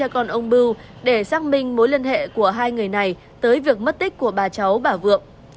con ông bưu để xác minh mối liên hệ của hai người này tới việc mất tích của bà cháu bà vượng